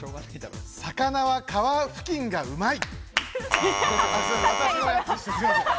魚は皮付近がうまい。